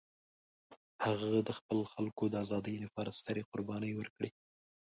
هغه د خپل خلکو د ازادۍ لپاره سترې قربانۍ ورکړې.